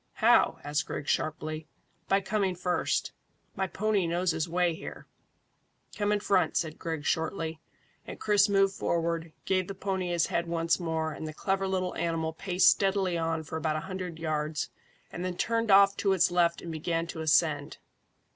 "How?" asked Griggs sharply. "By coming first. My pony knows his way here." "Come in front," said Griggs shortly, and Chris moved forward, gave the pony his head once more, and the clever little animal paced steadily on for about a hundred yards, and then turned off to its left and began to ascend.